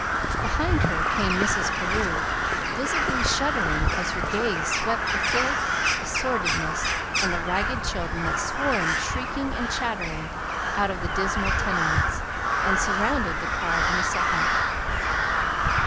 Behind her came Mrs. Carew, visibly shuddering as her gaze swept the filth, the sordidness, and the ragged children that swarmed shrieking and chattering out of the dismal tenements, and surrounded the car in a second.